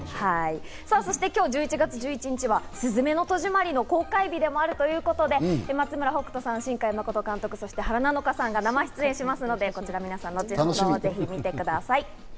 さぁ、そして今日、１１月１１日は『すずめの戸締まり』の公開日でもあるということで、松村北斗さん、新海誠監督、原菜乃華さんが生出演しますので、こちら後ほど、皆様、ぜひ見てください。